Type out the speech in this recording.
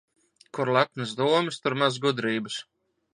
Kur lepnas domas, tur maz gudrības.